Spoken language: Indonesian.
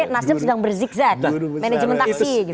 nasdem sedang berzikzat